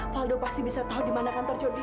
paldol pasti bisa tahu di mana kantor jody